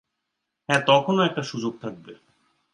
হ্যাঁ, তখনো একটা সুযোগ থাকবে।